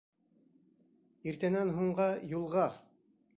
Иртәнән һуңға юлға!